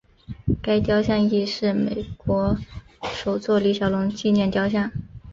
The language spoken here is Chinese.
该雕像亦是美国首座李小龙纪念雕像。